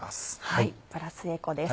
はいプラスエコです。